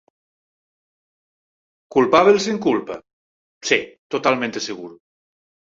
Culpábel sen culpa? Si, totalmente seguro.